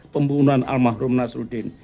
pembunuhan al mahrum nasruddin